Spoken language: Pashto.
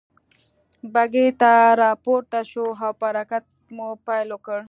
بګۍ ته را پورته شوه او په حرکت مو پيل وکړ.